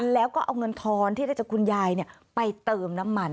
แล้วก็เอาเงินทอนที่ได้จากคุณยายไปเติมน้ำมัน